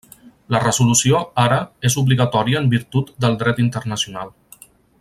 La resolució ara és obligatòria en virtut del dret internacional.